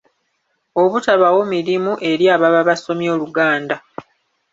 Obutabaawo mirimu eri ababa basomye Oluganda